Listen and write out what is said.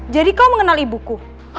jadi kaiera mengenali ibuku